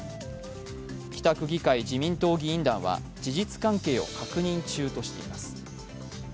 北区議会自民党議員団は、事実関係を確認中としています。